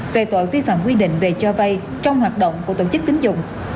về tội vi phạm quy định về cho vay trong hoạt động của tổ chức tính dụng